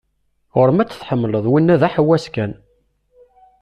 Ɣur-m ad t-tḥemmleḍ, winna d aḥewwas kan.